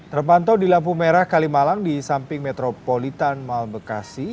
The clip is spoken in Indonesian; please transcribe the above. terpantau di lampu merah kalimalang di samping metropolitan mal bekasi